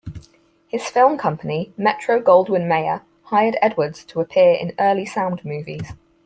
His film company Metro-Goldwyn-Mayer hired Edwards to appear in early sound movies.